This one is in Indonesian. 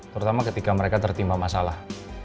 terutama ketika mereka tertimpa masalah